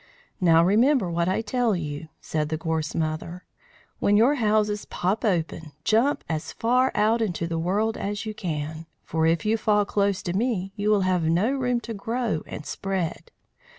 "Now remember what I tell you," said the Gorse Mother. "When your houses pop open, jump as far out into the world as you can, for if you fall close to me you will have no room to grow and spread.